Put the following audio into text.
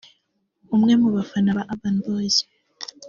umwe mu bafana ba Urban Boyz